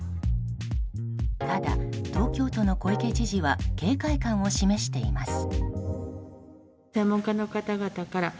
ただ、東京都の小池知事は警戒感を示しています。